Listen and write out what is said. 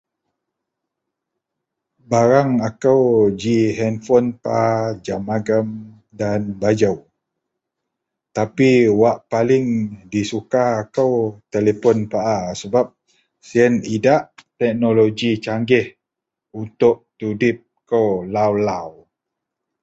Barang aku ji handphone, jam agem dan baju. Wak paling di suka kou telepon pa'a. Yian idak teknologi canggih untuk tudep kou lau-lau.